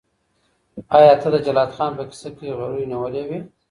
آیا ته د جلات خان په کیسه کي غريو نيولی وې؟